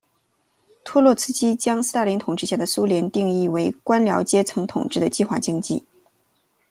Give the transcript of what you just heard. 托洛茨基将斯大林统治下的苏联定义为由官僚阶层统治的计划经济。